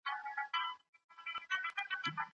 سياسي مشرانو د اقتصادي بنسټونو د رغولو ژمنه کړې ده.